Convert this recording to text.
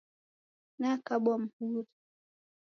Nakabwa muhuri.